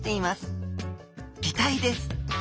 擬態です。